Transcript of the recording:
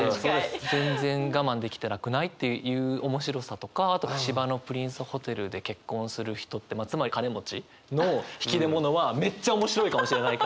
全然我慢できてなくない？っていう面白さとかあと芝のプリンスホテルで結婚する人ってつまり金持ちの引出物はめっちゃ面白いかもしれないから。